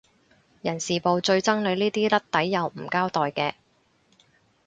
人事部最憎你呢啲甩底又唔交代嘅